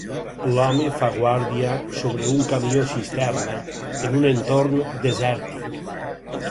L'home fa guàrdia sobre un camió cisterna en un entorn desèrtic